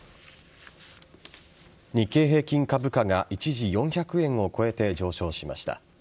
日経平均株価が一時、４００円を超えて上昇しました。